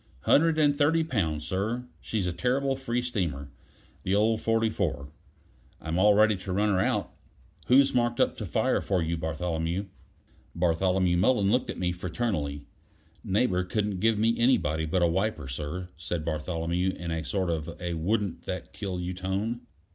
"Hundred and thirty pounds, sir. She's a terrible free steamer, the old 44. I'm all ready to run her out." "Who's marked up to fire for you, Bartholomew?" Bartholomew Mullen looked at me fraternally. "Neighbor couldn't give me anybody but a wiper, sir," said Bartholomew, in a sort of a wouldn't that kill you tone.